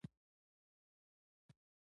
زه پلورنځۍ ته تللې وم